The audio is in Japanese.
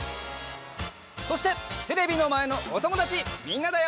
そしてテレビのまえのおともだちみんなだよ！